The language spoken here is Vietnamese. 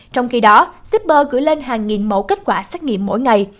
trong khi đó shipper gửi lên hàng nghìn mẫu kết quả xét nghiệm mỗi ngày